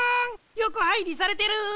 よこはいりされてる！